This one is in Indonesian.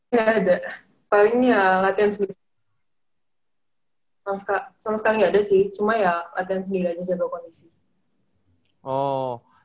cuma ya latihan sendiri aja jadwal kondisi